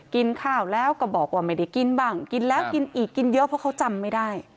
กินข้าวแล้วก็บอกว่าไม่ได้กินบ้างกินแล้วกินอีกกินเยอะเพราะเขาจำไม่ได้